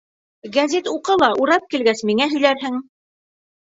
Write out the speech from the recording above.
— Гәзит уҡы ла, урап килгәс, миңә һөйләрһең!